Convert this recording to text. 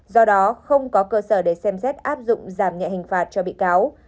do đó không có cơ sở để xem xét áp dụng giảm nhẹ hình phạt cho bị cáo